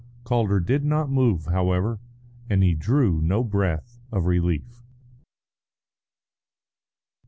Calder did not move, however; and he drew no breath of relief.